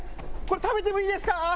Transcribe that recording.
これ食べてもいいですか？